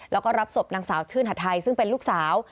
แล้วก็รับศพนางสาวชื่นหัดไทยซึ่งเป็นลูกสาว